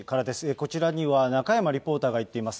こちらには、中山リポーターが行っています。